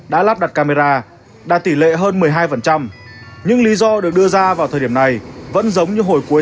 đã lắp đặt camera đạt tỷ lệ hơn một mươi hai nhưng lý do được đưa ra vào thời điểm này vẫn giống như hồi cuối